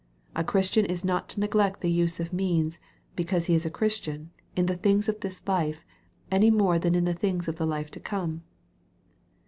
A Christian is not to neglect the use of means, because he is a Christian, in the things of this life, any more than in the things of the life to come.